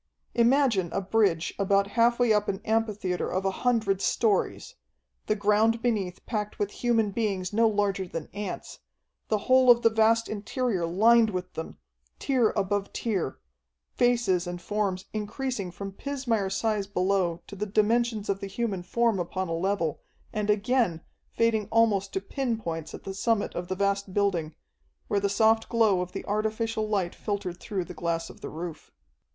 Imagine a bridge about half way up an amphitheatre of a hundred stories, the ground beneath packed with human beings no larger than ants, the whole of the vast interior lined with them, tier above tier, faces and forms increasing from pismire size below to the dimensions of the human form upon a level, and, again, fading almost to pin points at the summit of the vast building, where the soft glow of the artificial light filtered through the glass of the roof.